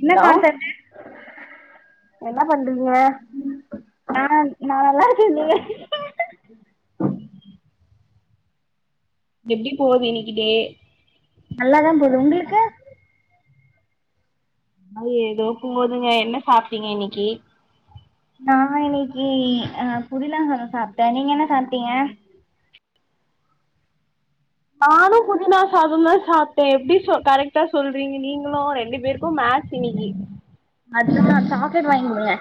என்ன hello concept என்ன பண்றீங்க நானா நா நல்லா இருக்கே நீங்க எப்டி போகுது இன்னைக்கு டே நல்லாதா போது உங்களுக்கு அது ஏதோ போதுங்க என்ன சாப்ட்டிங்க இன்னைக்கு நா இன்னைக்கி அ புதினா சாதம் சாப்ட்டே நீங்க என்ன சாப்ட்டீங்க நானு புதினா சாதந்தா சாப்ட்டே எப்டி ச கரெக்டா சொல்றிங்க நீங்களு ரெண்டு பேருக்கு மேச் இன்னிக்கு அதுதா சாக்லேட் வாங்கி கொடுங்க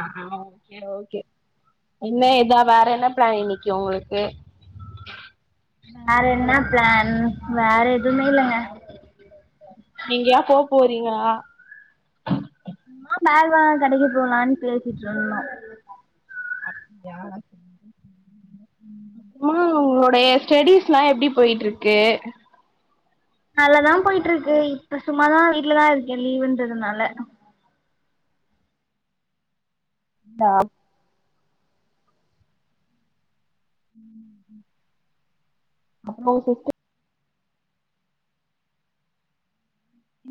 ஆ ஓகே ஓகே என்ன இதா வேற என்ன பிளான் இன்னைக்கு ஒங்களுக்கு வேற என்ன ப்ளான் வேற எதுமே இல்லங்க நீங்க யா போ போறீங்க சும்மா பால் வாங்க கடைக்கி போலான் பேசிட்ருந்தோ அப்டியா சேரி [unintelligible] ம் ஆ உங்ளோடைய ஸ்டெடீஸ்லா எப்டி போய்ட்ருக்கு நல்லாதா போய்ட்ருக்கு இப்ப சும்மாதா வீட்லதா இருக்கே லீவுன்றதுனால ஆ அவ்ளோ சொத்து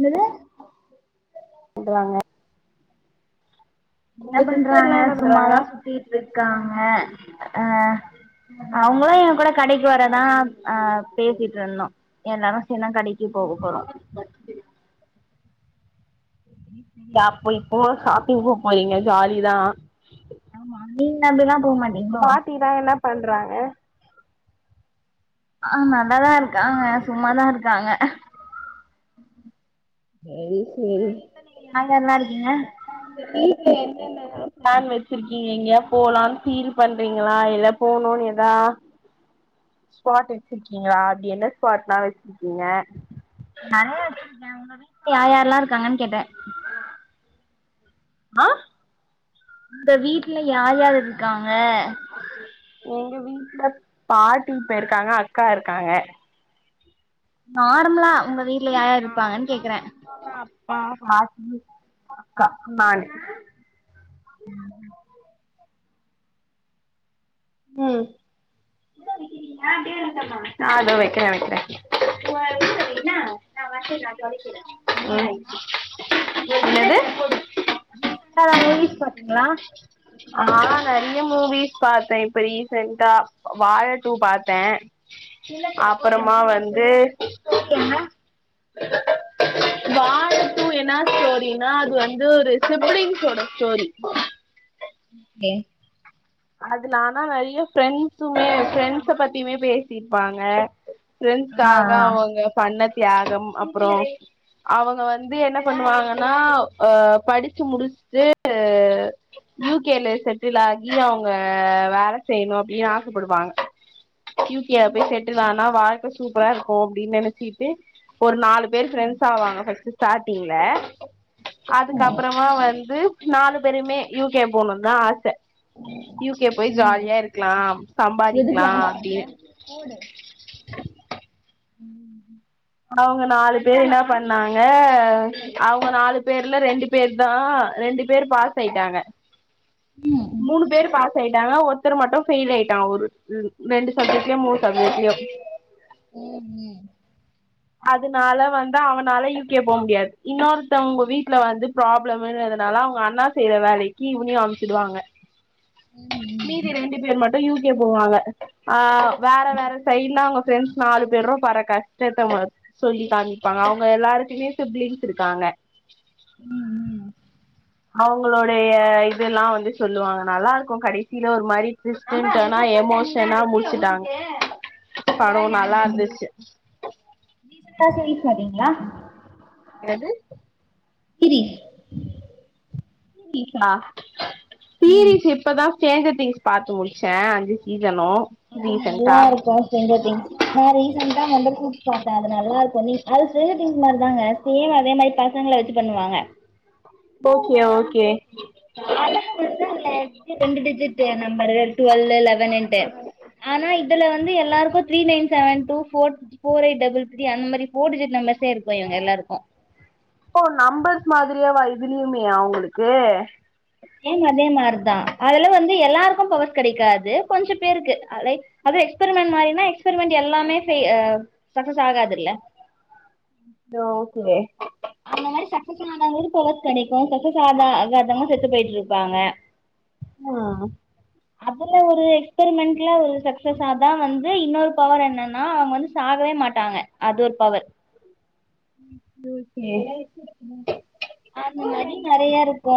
என்னது [unintelligible] என்ன உங்க பண்றாங்க சிஸ்டர்லா என்ன பண்றாங்க சும்மாதா சுத்தீட்ருக்காங்க அ அவுங்ளா எங்க கூட கடைக்கு வரதா அ பேசிட்ருந்தோ எல்லாரு சேன கடைக் கி போக போறோ பப்போ இப்போ ஷாப்பிங் போ போறிங்க ஜாலிதா ஆம்மா நீங்க அப்டிலா போ மாட்டீங்களோ பாட்டி தா எல்லா பண்றாங்க ஆ நல்லாதா இருக் காங்க சும்மாதா இருக்காங்க யார் யார்லா இருக்கீங்க செரி செரி ப்ளான் வெச்சிருக்கீங்க இங்க போலான் ஃபீல் பண்றீங்களா இல்ல போணோனெதா ஸ்பாட் வெச்சிருக்கீங்ளா அப்டி என்ன ஸ்பாட்லா வெச்சிருக்கீங்க நறைய வச்சிருக்கே உங்க வீட்ல யா யார்ல்லாருக்காங்கன் கேட்ட ஆ இந்த வீட்ல யார் யார் இருக்காங்க எங்க வீட்ல பாட்டி ப்ப இருக்காங்க அக்கா ருக்காங்க நார்ம்லா உங்க வீ [inaudible] அக்கா நானு ம் ம் வெக்குற வெக்குற ம் என்னது ரீசெண்டா எதா மூவிஸ் பாத்தீங்களா ஆ நறைய மூவிஸ் பாத்த இப்ப ரீசென்டா வாழ டூ பாத்த அப்பறமா எப்டி இருந்துச்சு வந்து ஸ்டோரி என்ன வாழ டூ என்ன ஸ்டோரினா அது வந்து ஒரு சிப்லிங்சோட ஸ்டோரி ஏ அதுலானா நறைய ஃப்ரெண்ட்ஸுமே ஃப்ரெண்ட்ஸ பத்தியுமே பேசிருப்பாங்க ஆ ஃபிரெண்ட்காக ஆ அவங்க பண்ண தியாகம் அப்புறம் அவங்க வந்து என்ன பண்ணுவாங்கன்னா ஹ படிச்சு முடிச்சுட்டு யூ கே ல செட்டில் ஆகி அவுங்க வேல செய்யணு அப்படின்னு ஆசப்படுவாங்க யூ கே ல போய் செட்டுல ஆனா வாழ்க்க சூப்பரா இருக்கு அப்படின்னு நினைச்சிட்டு ஒரு நாலு பேர் ஃப்ரெண்ட்ஸ் ஆவாங்க ஸ்டாட்டிங்ள அதுக்கப்புறமா வந்து நாலு பேருமே யூகே போகணுனு தா ஆச யூ கே போய் ஜாலியா இருக்கலா எதுக்கு சம்பாதிக்கலா ஆஃப் பண்ற அப்படின்னு [inaudible] அவங்க நாலு பேர் என்ன பண்ணாங்க அவங்க நாலு பேர்ல ரெண்டு பேர்தா ரெண்டு பேர் பாஸ் ஆயிட்டாங்க மூணு பேர் பாஸ் ஆயிட்டாங்க ஒருத்தர் மட்டும் ஃபெயில் ஆயிட்டாங்க ஒரு ரெண்டு சப்ஜெக்ட்லயு மூணு சப்ஜெக்ட்லயு உம் உம் அதுனால வந்து அவனால யு கே போக முடியாது இன்னொருத்தவங்க வீட்டுல வந்து ப்ராப்ளம்ன்றதுனால அவங்க அண்ணா செய்யற வேலைக்கு இவனையு அனுப்ச்சிடுவாங்க ஏதாச்சு மீதி ரெண்டு பேர் மட்டு யூ கே போவாங்க ஆஹ் வேற வேற சைடுலா அவங்க ஃப்ரண்ட்ஸ் நாலு பேரு பட்ற கஷ்டத்த சொல்லி காமிப்பாங்க அவங்க எல்லாருக்குமே சிப்லிங்ஸ் இருக்காங்க உம் உம் அவங்களுோடைய இதெல்லா வந்து சொல்லுவாங்க நல்லா இருக்கு கடைசியில ஒரு மாரி ஸிஸ்டன்டனா எமோஷனா முடிச்சுட்டாங்க படம் நல்லா இருந்துச்சு பாப்பிங்களா எது கிரி ஹ ம் ம் ரீசெண்டா சீரீஸ் பாத்தீங்களா? சீரீஸ் ம் தீரிச்சப்பதா சேஞ்ச திங்ஸ் பாத்து முடிச்சேன் அஞ்சு சீசன் அது நல்லா இருக்கு சேஞ்ச திங்ஸ் நா ரீசண்டா [unintelligible] பாதாதே அது நல்லா இருக்கு கு அது சேஞ்ச திங்ஸ் மாரி தாங்க சேம் அதே மாரி பசங்கள வச்சு பண்ணுவாங்க ஓகே ஓகே [unintelligible] ரெண்டு டிஜிட்டே நம்பரூ டுவெல்வே லெவன் டே ஆனா இதுல வந்து எல்லாருக்கும் three nine seven two four four eight double three அந்த மாதிரி போர் டிஜிட் நம்பர்ஸே இரு இவங்க எல்லாருக்கும் ஓ நம்பர்ஸ் மாதிரியாவா இதுலயுமே அவுங்களுக்கு எல்லாருக்கு பவர் கெடைக்காது கொஞ்ச பேருக்கு லைக் அது எஸ்ப்ரிமென்ட் மாரினா எக்ஸ்ப்ரிமென்ட் எல்லாமே செ சக்சஸ் ஆகாதுல்ல ஓகே அந்த மாரி சக்சஸ் ஆனவங்களுக்கு பவர் கெடைக்கு சக்சஸ் ஆக ஆகாதவங்க செத்து போயிட்ருப்பாங்க ம் அதுல ஒரு எக்ஸ்ப்ரிமெண்ட்ல ஒரு சக்சஸாதா வந்து இன்னொரு பவர் என்னன்னா அவங்க வந்து சாகவே மாட்டாங்க அது ஒரு பவர் ஓகே அந்த மாரி நெறையா இருக்கு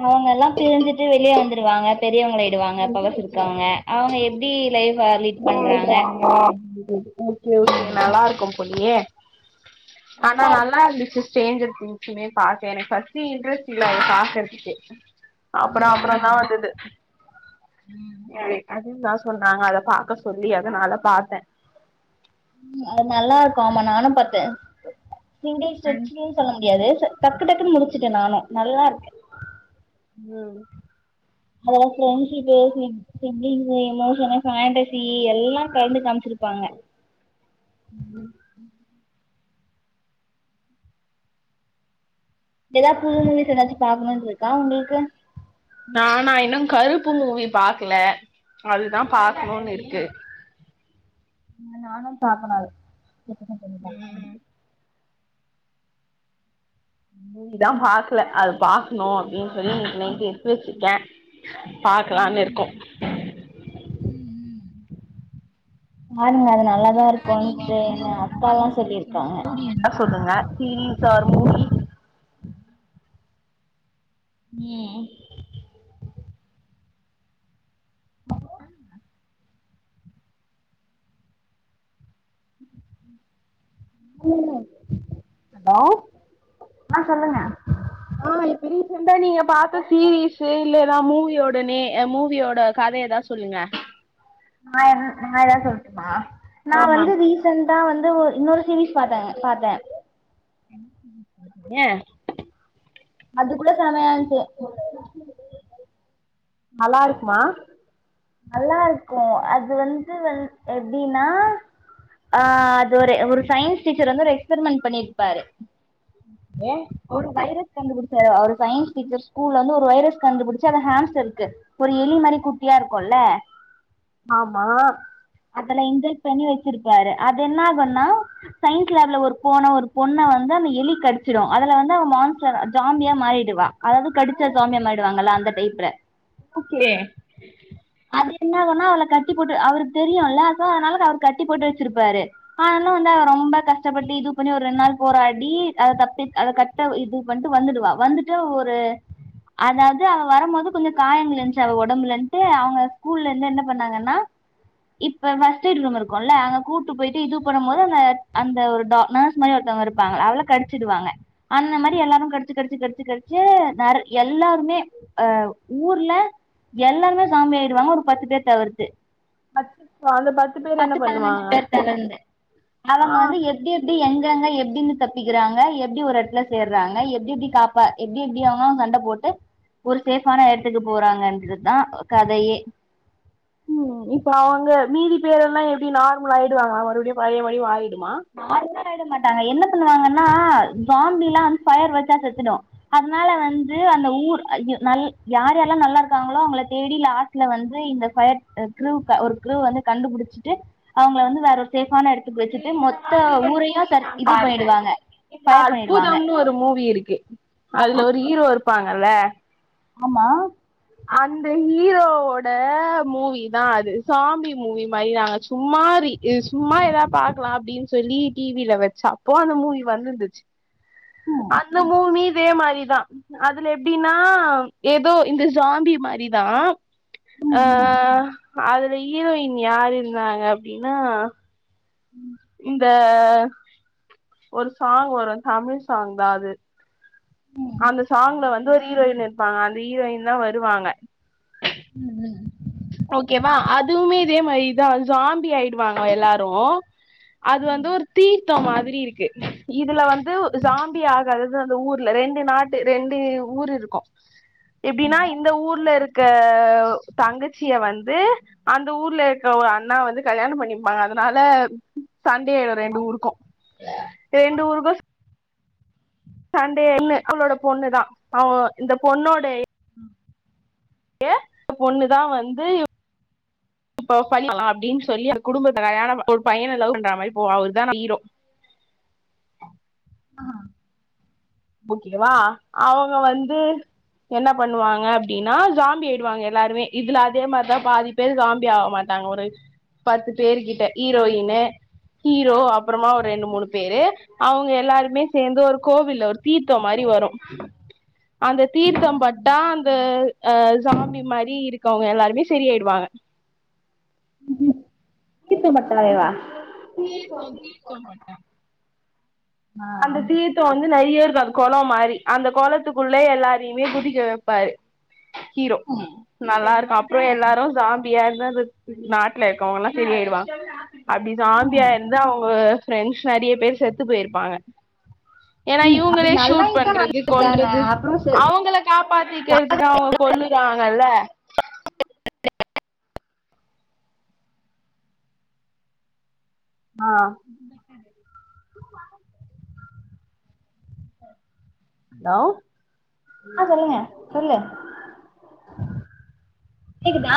அவங்க எல்லா பிரிஞ்சுட்டு வெளிய வந்து டுவாங்க பெரியவங்களாயிடுவாங்க பவர்ஸ் இருக்கவங்க அவங்க எப்டி லைஃப லீட் பண்றாங்க ஓகே ஓகே ம் நல்லாருக்கும் போலயே ஆனா நல்லாருந்துச்சு சேஞ்சர் திங்ஸுமே பாக்க எனக்கு ஃபர்ஸ்ட் இன்ட்ரெஸ்ட் இல்ல அத பாக்கறதுக்கு அப்பற ம் அப்பறந்தா ம் வந்துது ம் தா சொன்னாங்க அத பாக்க சொல்லி அதனால பாத்தே ம் அது நல்லாருக்கு ஆமா நானு பாத்தே ஹிந்தி ஸ்ரெச்சினு சொல்ல முடியாது ச டக் டக்கு டக்குன்னு முடிச்சுட்டே நானு நல்லா இருக்கு ம் அதுல friendship basic thinking emotion fantasy எல்லா கலந்து காமிச்சிரு ப்பாங்க எதா புது மூவிஸ் எதாச்சு பாக்கணுனு இருக்கா உங்களுக்கு நானா இன்னு கருப்பு மூவி பாக்கல அதுதா பாக்கணுனு இருக்கு இன்னு நானு பாக்கணு அது கேட்டதும் சொல்லிட்டாளா மூவிதா பாக்ல அது பாக் னு அப்டி சொல்லி இன்னிக்கி நைட் எடுத்து வச்சிட்ட பாக்லான்னு இருக்கோ ம் ம் ம் பாருங்க அது நல்லாதா எதா நீங்க இருக்குன்ட்டு இப்படி எங்க அக்கால்லா [unintelligible] சொல்லியிருக்காங்க ஸ்டோரி இருந்தா சொல்லுங்க தீம்ஸ் ஆர் மூவி உம் ம் ஆ ஆஹ் சொல்லுங்க ஆஹ் இப்ப ரீசெண்டா நீங்க பாத்த சீரியஸு இல்ல எதா மூவியோடனே அ மூவியோட கதையெதா சொல்லுங்க நாயெது நாயதா சொல்ட்டுமா நா ஆமா வந்து ரீசன் டா வந்து ஒர் இன்னொரு சீரிஸ் பாத்தாங்க பாத்தே ஏ அதுக்குள்ள செமையான்ச்சு நல்லா இருக்குமா நல்லா இருக்கு அது வந்து வன் எப்டின்னா ஆஹ் அது ஒரு ஒரு சயின்ஸ் டீச்சர் வந்து எக்ஸ்பரிமென்ட் பண்ணிர்ப்பாரு ஏ கண்டுபுடிச்சாரு அவரு சயின்ஸ் டீச்சர் ஸ்கூல்ல வந்து ஒரு வைரஸ் கண்டுபிடிச்சு அது ஹேம்ஸ்டர்ருக்கு ஒரு எலிமாரி குட்டியார்க் கொல்ல ஆமா அதுல இஞ்செக்ட் பண்ணி வச்சிருப்பாரு அதென்னாகுன்னா சயின்ஸ் லேப்ல ஒரு போன ஒரு பொண்ண வந்து அந்த எலி கடிச்சிடு அதல வந்து அவ மான்ஸ்டரா ஜாம்பியா மாறிடுவா அதாவது கடிச்சா சாம்பியா மாறிடுவாங்கல அந்த டைப்ல ஓகே அது என்னாகுனா அவள கட்டி போட்டு அவருக் தெரியுல்ல அதா அதனால அவரு கட்டி போட்டு வச்சிருப்பாரு ஆனாலு வந்து அவ ரொம்ப கஷ்டப்பட்டு இது பண்ணி ஒரு ரெண் நாள் போராடி அத தப்பி அத கட்ட இது பண்ட்டு வந்துடுவா வந்துட்டு ஒரு அதாவ்து அவ வரும்போது கொஞ்சொ காயங்கள் இருந்ச்சு அவ ஒடம்புலன்ட்டு அவ் வ ஸ்கூல்லந்து என்ன பண்ணாங்கன்னா இப்ப ஃபர்ஸ்டெய்டு ரூம் இருக்குல்ல அங்க கூட்டு பொயிட்டு இது பண்ணும் போது அந்த அந்த டா நார்ஸ் மாரி ஒருத்தங்க இருப்பாங்கள அவள கடிச்சிடுவாங்க அந்த மாரி எல்லாரு கடிச்சி கடிச்சி கடுச் ச்சி கடிச்சீ நெர் எல்லாருமே அ ஊர்ல எல்லார்மே சாம்பியாய் டுவாங்க ஒரு பத்து பேர் தவிர்த்து அச்சச்சோ அந்த பேர் பத்து என்ன பதினஞ்சு பண்ணுவாங்க பேர் தெலந்து அவங்க ஆ வந்து எப்டி எப் ப்டி எங்கங்க எப்டின்னு தப்பிக்கிறாங்க எப்டி ஒரு எடத்ல சேர்றாங்க எப்டி எப்டி காப்பா எப்டி எப்டி அவங்களா சண்ட போட்டு ஒரு சேஃப்பான எடத்துக்கு போறாங்கன்றதா கதையே உம் இப்பொ அவங்க மீதி பேரெல்லாம் எப்டி நார்மல் ஆயிடுவாங்ளா மறுபடியு பழைய மயி வாயி மார்ன்னா ஆய்ட மாட்டாங்க என்ன பண்ணுவாங்கன்னா சாம்பிலா வந் பயர் வச்சா செத்துடு அதனால வந்து அந்த ஊர் அய்யு நல் யார் யார்லா நல்லாருக்காங்களோ அவங்க தேடி லாஸ்ட்ல வந்து இந்த ஃபயர் அ க்ரூக்க ஒரு க்ரூ வந்து கண்டுபுடுச்ட்டு அவங்ள வந்து வேறொரு சே ஃபான எடத்துக் வச்சுட்டு மொத் அதே மாரி மூவி நா பாத்தே இந்த ஃபயர் பண்ணிடுவாங்க அற்புதம்னு ஒரு மூவி இருக்கு அதுல ஒரு ஹீரோ இருப் ப்பாங்கல்ல ஆமா அந்த ஹீரோவோட மூவி தா அது சாம்பி மூவி மாதிதாங்க சும்மா ரி இத் சும்மா எதா பாக்லா அப்டின் சொல்லி டிவில வச்சா அப்போ அந்த மூவி வந்துருந்துச் அந்த மூவ்மீர் இதே மாரிதா அதுல எப்டின்னா ஏதோ இந்த சாம்பி மாரி தா அ ம் ஆமா. ஆஹ் அதுல ஹீரோயின் யாரு இருந்தாங்க அப்டினா [inaudible] இந்த ஒரு சாங் வரோ தமிழ் சாங்தா அது ம் அந்த சாங்ல வந்து ஒரு ஹீரோயின் இர்ப்பாங்க அந்த ஹீரோயின்தா வருவாங்க உம் ஓகேவா அதும்மே இதே மாரிதா அது ஜோம்பி ஆயிடுவாங்க எல்லாரோ அது ம் வந்து ம் ஒரு தீர்த்தொ மாதி தி இருக்கு இதுல வந்துவ் ஜோம்பி ஆகாதது அந்த ஊர்ல ரெண்டு நாட்டு ரெண்டு ஊர் இருக்கோ எப்டினா ஆமா இந்த ஊர்ல இ க ஒ தங்கச்சிய வந்து அந்த ஊர்ல இருகவு ஒரு அண்ணா வந்து கல்யாணம் பண்ணிப்பாங்க அதுனால சண்டை ஆயிடோ ரெண்டு ஊருக்கோ ரெண்டு ஊருக்கோ சண்டேன்னு அவ்ளோட பொண்ணு தா அவ இந்த பொண்ணோடை யே பொண்ணுதா வந்து இப் ப ஃபலி அ ஆ அப்டீன் சொல்லி அந்த குடும்பத்த கல்யாணம் ஒரு பையன லவ் பன்ற மாரி போவு அவுர்தா நம்ம ஹீரோ ஆ ஓகேவா அவுங்க வந்து என்ன பண்ணுவாங்க அப்டினா ஜோம்பி ஆயிடுவாங்க எல்லாருமே இதுல அதே மார்தா பாதி பேர் ஜோம்பி ஆவமாட்டாங்க ஒரு பத்து பேர் கிட்ட ஹீரோயின்னு ஹீரோ அ பறமா ஒர் ரெண்டு மூணு பேரு அவுங்க எல்லாரு மே சேந்து ஒரு கோவில்ல ஒ தீர்த்தொ மாரி வரோ அந்த தீர்த்தம் பட்டா அந்த அ ஜோம்பி மாரி இருக் வுங்க எல்லாருமே செரி ஆயிடுவாங்க தீர்த்தம் பட்டாலேவா தீர்த்தொ தீர்த்தொ பட்டா ஆ அந்த தீர்த்தொ வந் து நெறைய இருக்கோ அது கொளோ மாரி அந்த கொளத்துக்குள்ள எல்லாரியுமே குதிக்க வெப்பாரு ஹீரோ ம் நல்லா இருக்கா அப்றோ எல்லாரு ஜோ பியாயிருந்த அது நாட்ல இருக்கவுங்கள்லா செரியாய்டுவா அப்டி ஜோம்பியா இருந்த அவுங்க ஃப்ரெண்ட்ஸ் நெறைய பேர் செத்து போயிருப்பாங்க ஏனா அப்டி இவுங்களே நல்லா ஷூட் இட்டா பண்றது நல்லது தான கொள்றது அப்றோ சொ அவுங்கள காப்பாத்திக்கிறதுக்கு அவுங்க கொல்லுறாங்கல்ல ஆ ஹலோ [inaudible] கேக்கித்தா